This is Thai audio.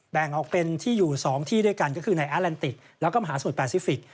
แบ่งออกเป็นที่อยู่๒ที่ด้วยกันก็คือในอาแลนติกแล้วก็มหาสูตรแปซิฟิกส